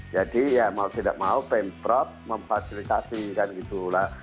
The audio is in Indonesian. jadi ya mau tidak mau pemprov memfasilitasi kan gitu lah